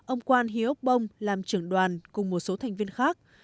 ông kwan hyok bong làm trưởng đoàn cùng một số thành viên khác